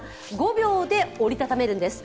５秒で折り畳めるんです。